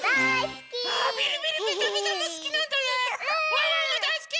ワンワンもだいすき！